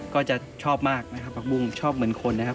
ก็จะชอบมากนะครับผักบุ้งชอบเหมือนคนนะครับ